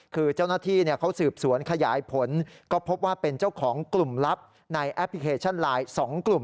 คือเจ้าหน้าที่เขาสืบสวนขยายผลก็พบว่าเป็นเจ้าของกลุ่มลับในแอปพลิเคชันไลน์๒กลุ่ม